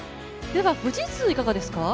富士通いかがですか？